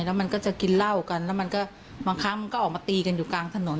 แล้วมันก็จะกินเหล้ากันแล้วมันก็บางครั้งมันก็ออกมาตีกันอยู่กลางถนน